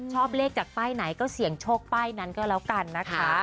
ชอบเลขจากป้ายไหนก็เสี่ยงโชคป้ายนั้นก็แล้วกันนะคะ